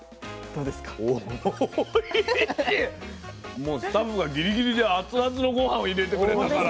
もうスタッフがぎりぎりで熱々のごはんを入れてくれたから。